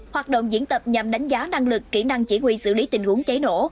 hoạt động diễn tập nhằm đánh giá năng lực kỹ năng chỉ huy xử lý tình huống cháy nổ